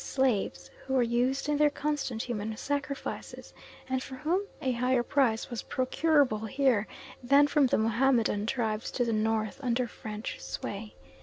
slaves; who were used in their constant human sacrifices, and for whom a higher price was procurable here than from the Mohammedan tribes to the north under French sway.